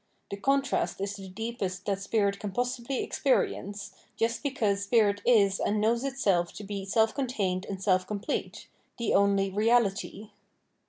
The contrast is the deepest that spirit can possibly experience, just because spirit is and knows itself to be self contained and self complete, " the only reality."